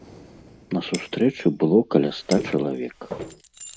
На сустрэчы было каля ста чалавек.